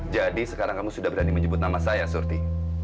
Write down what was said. jadi sekarang kamu sudah berani menyebut nama saya surti